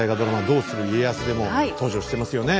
「どうする家康」でも登場してますよね